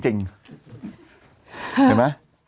เห็นไหม